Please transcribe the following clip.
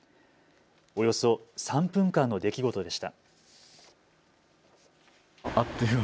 およそ３分間の出来事でした。